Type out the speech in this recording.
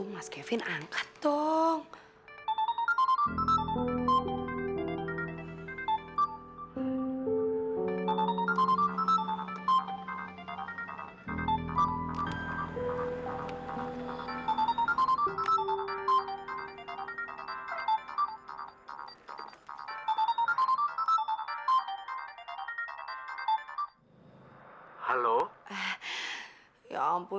mas kevin aku ingin tahu